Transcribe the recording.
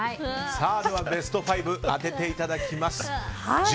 ではベスト５当てていただきます。